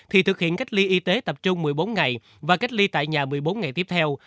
thì thực hiện cách ly y tế tập trung một mươi bốn ngày và cách ly tại nhà một mươi bốn ngày tiếp theo